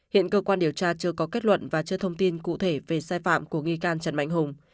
hiện cơ quan điều tra chưa có kết luận và chưa thông tin cụ thể về sai phạm của nghi can trần mạnh hùng